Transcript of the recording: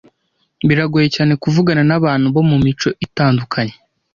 Biragoye cyane kuvugana nabantu bo mumico itandukanye.